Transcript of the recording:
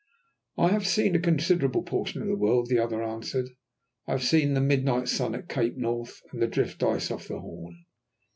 "I have seen a considerable portion of the world," the other answered. "I have seen the Midnight Sun at Cape North and the drift ice off the Horn."